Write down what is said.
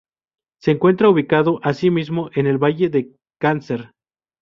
Se encuentra ubicado, así mismo, en el Valle de Cárcer.